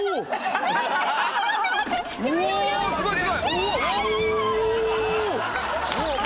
すごい。